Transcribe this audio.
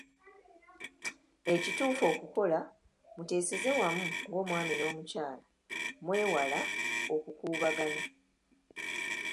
Ekituufu okukola, muteeseze wamu ng’omwami n’omukyala mwewala okukuubagana.